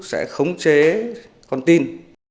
sẽ khống chế con tin